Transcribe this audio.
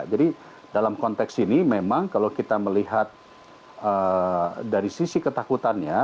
jadi dalam konteks ini memang kalau kita melihat dari sisi ketakutannya